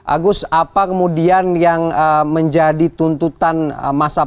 agus apa kemudian yang menjadi tuntutan masa